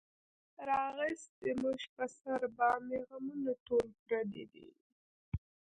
راغیستې مونږ پۀ سر باندې غمونه ټول پردي دي